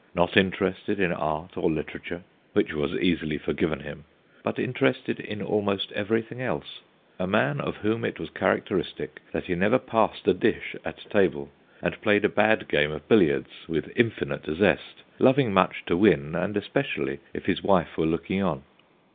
Not interested in art or literature (which was easily forgiven him) but interested in almost everything else ; a man of whom it was characteristic that he never passed a dish at table, and played a bad game of billiards with infinite zest loving much to win, and especially if his wife were looking on.